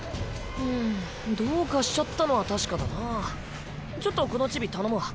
んんどうかしちゃったのは確かだなぁ。ちょっとこのチビ頼むわ。